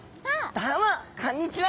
どうもこんにちは！